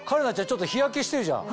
ちょっと日焼けしてるじゃん。